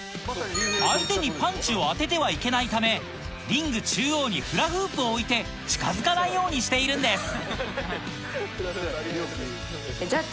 相手にパンチを当ててはいけないためリング中央にフラフープを置いて近づかないようにしているんですあ。